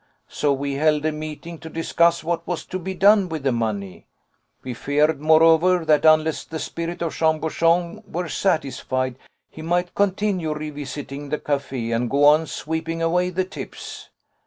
So we held a meeting to discuss what was to be done with the money. We feared, moreover, that unless the spirit of Jean Bouchon were satisfied, he might continue revisiting the café and go on sweeping away the tips.